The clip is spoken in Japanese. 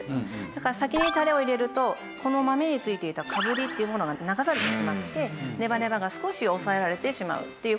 だから先にタレを入れるとこの豆に付いていたかぶりっていうものが流されてしまってネバネバが少し抑えられてしまうっていう事になります。